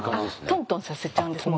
トントンさせちゃうんです。